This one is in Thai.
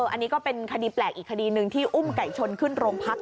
อันนี้ก็เป็นคดีแปลกอีกคดีหนึ่งที่อุ้มไก่ชนขึ้นโรงพัก